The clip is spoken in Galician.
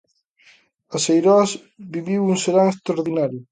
As Eiroas viviu un serán extraordinario.